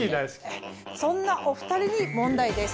そんなお２人に問題です。